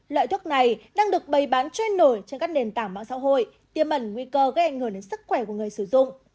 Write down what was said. loại thuốc này đang được bày bán trôi nổi trên các nền tảng mạng xã hội tiêm ẩn nguy cơ gây ảnh hưởng đến sức khỏe của người sử dụng